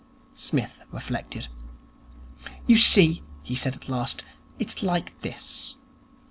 Psmith reflected. 'You see,' he said at last, 'it is like this.